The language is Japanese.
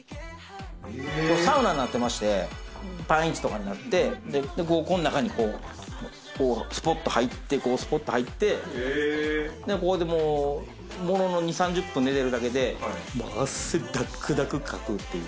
サウナになってまして、パンイチとかになって、この中に、こうスポっと入って、ものの２０３０分寝てるだけで、汗だくだくにかくっていう。